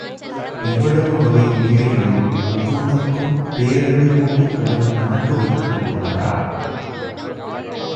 இவ்வளவு வகை உயிரிகளுள் ஒவ்வொன்றுக்கும் பேரேடு போட்டுக் கடவுள் கணக்கு வைத்துக் கொண்டுள்ளாரா?